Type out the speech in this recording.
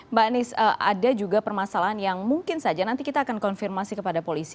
mbak anies ada juga permasalahan yang mungkin saja nanti kita akan konfirmasi kepada polisi